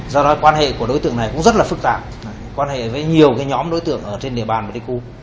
do đó quan hệ của đối tượng này cũng rất là phức tạp quan hệ với nhiều nhóm đối tượng ở trên địa bàn pleiku